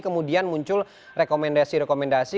kemudian muncul rekomendasi rekomendasi